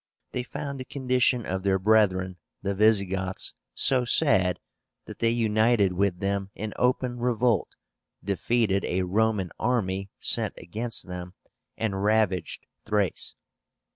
They found the condition of their brethren, the Visigoths, so sad, that they united with them in open revolt, defeated a Roman army sent against them, and ravaged Thrace.